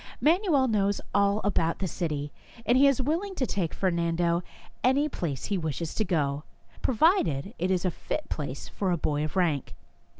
Manuel knows all about the city, and he is willing to take Fer nando any place he wishes to go, provided it is a fit place for a boy of rank.